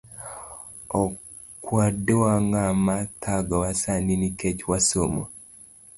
Okwadwa ngama thagowa sani Nikech wasomo